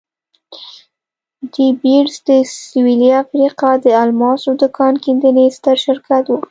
ډي بیرز د سوېلي افریقا د الماسو د کان کیندنې ستر شرکت وو.